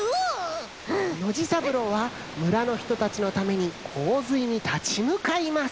ノジさぶろうはむらのひとたちのためにこうずいにたちむかいます。